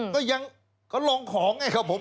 ก็ยังเขาลองของไงครับผม